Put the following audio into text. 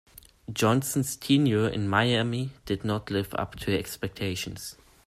Johnson's tenure in Miami did not live up to expectations.